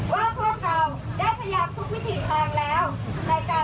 ว่าพวกเราได้พยายามทุกวิถีแทนแล้ว